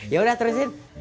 ya udah terusin